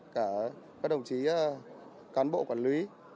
cả các đồng chí cán bộ quản lý